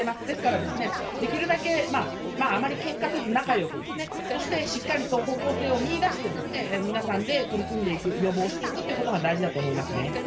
ですから、できるだけあまりけんかせず、仲よくですね、そしてしっかりと方向性を見いだして、皆さんで取り組んでいく、予防していくっていうことが大事だと思いますね。